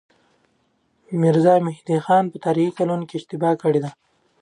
ميرزا مهدي خان په تاريخي کلونو کې اشتباه کړې ده.